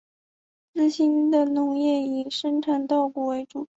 资兴的农业以生产稻谷为主。